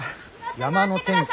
山の天気。